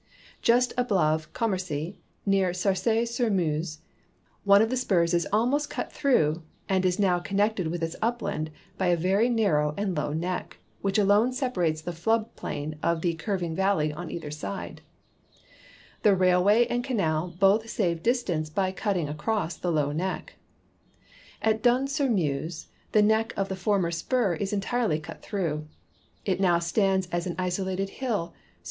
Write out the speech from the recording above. Just above Com mercy, near Sarcy sur Meuse, one of the spurs is almost cut through and is now connected with its upland l>y a very narrow and low neck, which alone separates the Hood plain of the curv ing valley on either side. The railway and canal both save dis tance by cutting across the low neck. At Dun sur Meuse the neck of a former spur is entirely cut through. It now stands as an isolated hill surrounded on all sides hy the flat valley floor.